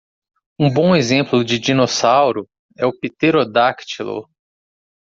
Um bom exemplo de dinossauro é o Pterodáctilo.